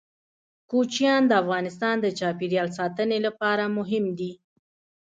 کوچیان د افغانستان د چاپیریال ساتنې لپاره مهم دي.